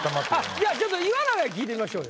じゃあちょっと岩永に聞いてみましょうよ。